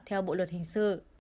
theo bộ luật hình sự